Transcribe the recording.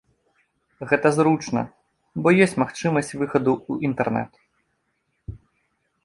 Гэта зручна, бо ёсць магчымасць выхаду ў інтэрнэт.